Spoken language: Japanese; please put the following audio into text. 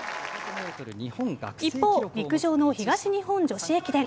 一方、陸上の東日本女子駅伝。